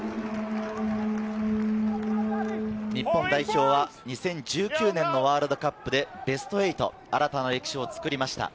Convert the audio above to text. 日本代表は２０１９年のワールドカップでベスト８、新たな歴史を作りました。